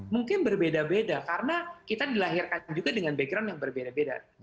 mungkin berbeda beda karena kita dilahirkan juga dengan background yang berbeda beda